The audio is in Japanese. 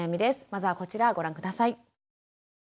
まずはこちらご覧下さい。